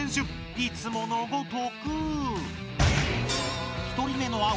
いつものごとく。